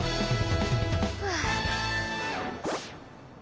はあ。